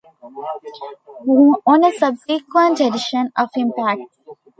On a subsequent edition of Impact!